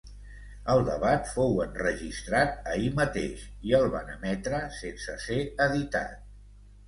El debat fou enregistrat ahir mateix, i el van emetre sense ser editat.